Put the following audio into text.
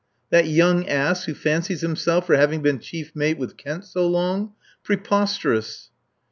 That young ass who fancies himself for having been chief mate with Kent so long? ... Preposterous."